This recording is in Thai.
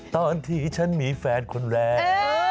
ตอนที่ฉันมีแฟนคนแรก